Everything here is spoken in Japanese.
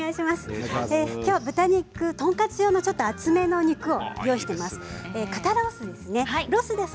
きょうは豚肉はトンカツ用の厚めの肉を用意しています。